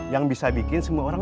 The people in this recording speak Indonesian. yang bisa bikin semua orang